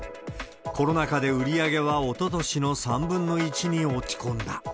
コロナ禍で売り上げはおととしの３分の１に落ち込んだ。